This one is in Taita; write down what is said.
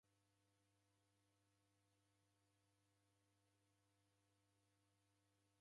Kuelesha kigharo ni ijukumu jedu.